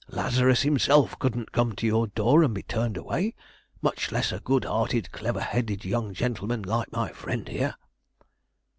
Lazarus himself couldn't come to your door and be turned away; much less a good hearted, clever headed young gentleman like my friend here."